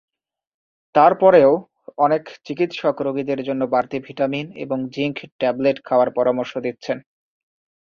তারপরেও অনেক চিকিৎসক রোগীদের জন্য বাড়তি ভিটামিন এবং জিংক ট্যাবলেট খাওয়ার পরামর্শ দিচ্ছেন।